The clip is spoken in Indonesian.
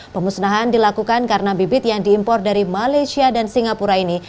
pemusnahan dilakukan karena bibit yang diimpor dari malaysia dan singapura ini